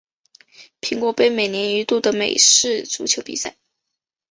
苹果杯每年一度的美式足球比赛。